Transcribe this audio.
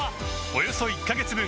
およそ１カ月分